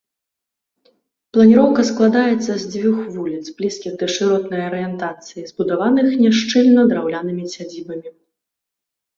Планіроўка складаецца з дзвюх вуліц, блізкіх да шыротнай арыентацыі, забудаваных няшчыльна драўлянымі сядзібамі.